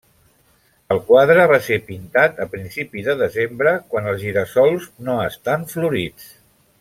El quadre va ser pintar a principi de desembre, quan els gira-sols no estan florits.